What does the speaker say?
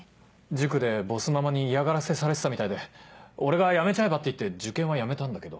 塾でボスママに嫌がらせされてたみたいで俺が「やめちゃえば」って言って受験はやめたんだけど。